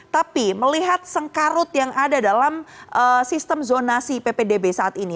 tapi melihat sengkarut yang ada dalam sistem zonasi ppdb saat ini